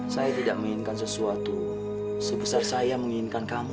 saya tidak menginginkan sesuatu sebesar saya menginginkan kamu